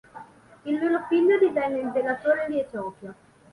Il loro figlio divenne Imperatore di Etiopia.